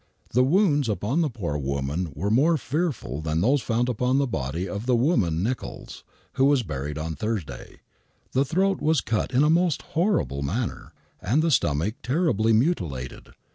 The wounds upon the poor woman were more fear ful than those found upon the body of the woman Nichols, who was buried on Thursday. The throat was cut in a most horrible manner, and the stomach terribly mutilated.